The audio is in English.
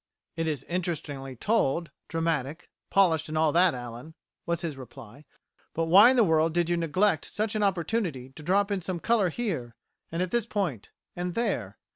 "'It's interestingly told, dramatic, polished, and all that, Allen,' was his reply, 'but why in the world did you neglect such an opportunity to drop in some colour here, and at this point, and there?'